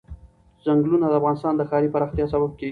چنګلونه د افغانستان د ښاري پراختیا سبب کېږي.